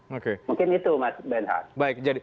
mungkin itu mas benhart